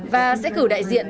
và sẽ cử đại diện